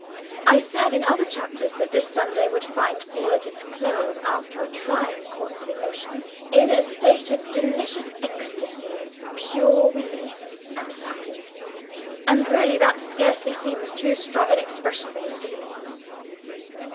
I said in another chapter that this Sunday would find Paul, at its close, after a trying course of emotions, in a state of delicious ecstasy of pure relief and happiness and really that scarcely seems too strong an expression for his feelings.